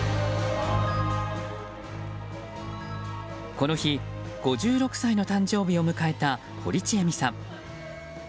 この日、５６歳の誕生日を迎えた堀ちえみさん。